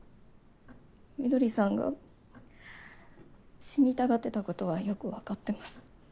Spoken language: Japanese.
翠さんが死にたがってたことはよくわかってます。